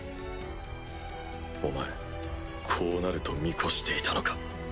お前こうなると見越していたのか？